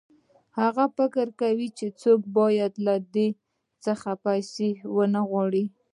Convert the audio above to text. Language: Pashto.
هغه فکر کاوه چې څوک باید له ده څخه پیسې ونه غواړي